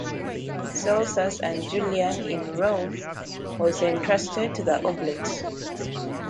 Celsus and Julian in Rome was entrusted to the Oblates.